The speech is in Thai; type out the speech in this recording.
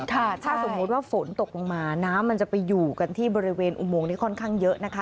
ถ้าสมมุติว่าฝนตกลงมาน้ำมันจะไปอยู่กันที่บริเวณอุโมงนี้ค่อนข้างเยอะนะคะ